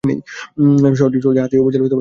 শহরটি হাতিয়া উপজেলার বৃহত্তম শহর।